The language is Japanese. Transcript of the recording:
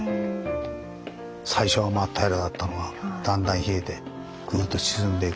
最初は真っ平らだったのがだんだん冷えてグーッと沈んでいく。